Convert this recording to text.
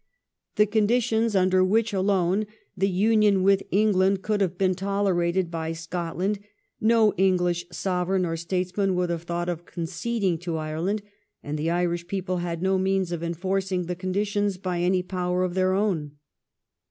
The conditions under which alone the union with England could have been tolerated by Scotland no English Sovereign or states man would have thought of conceding to Ireland, and the Irish people had no means of enforcing the conditions by any power of their own.